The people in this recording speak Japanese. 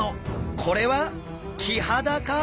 これはキハダか！？